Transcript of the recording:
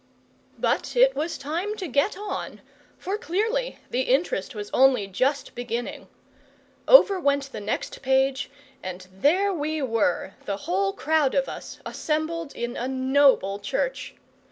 But it was time to get on, for clearly the interest was only just beginning. Over went the next page, and there we were, the whole crowd of us, assembled in a noble church.